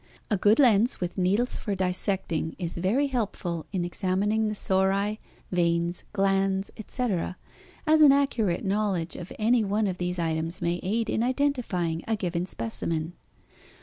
A good lens with needles for dissecting is very helpful in examining the sori, veins, glands, etc., as an accurate knowledge of any one of these items may aid in identifying a given specimen.